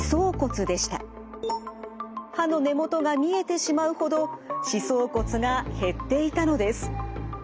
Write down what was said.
歯の根元が見えてしまうほど歯槽骨が減っていたのです。